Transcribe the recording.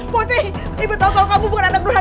putri ibu tahu kamu bukan anak berhak